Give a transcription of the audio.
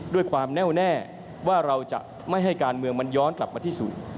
ความแน่วแน่ว่าเราจะไม่ให้การเมืองมันย้อนกลับมาที่สุด